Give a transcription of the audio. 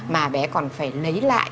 mà bé còn phải lấy lại